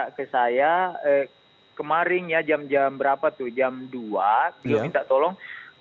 beliau minta ke saya kemarin ya jam berapa tuh jam dua beliau minta tolong